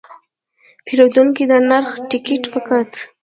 پیرودونکی د نرخ ټکټ وکت.